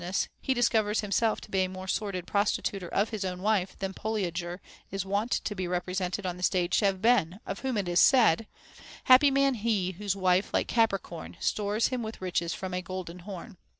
71 ness, he discovers himself to be a more sordid prostituter of his own wife than Poliager is wont to be represented od the stage to have been, of whom it is said, — Happy man he, whose wile, like Capricorn, Stores him with riches from a golden horn